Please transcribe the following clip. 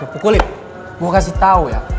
pukuli gue kasih tau ya